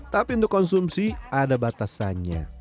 tapi untuk konsumsi ada batasannya